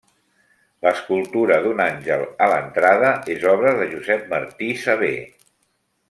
L'escultura d'un àngel a l'entrada és obra de Josep Martí Sabé.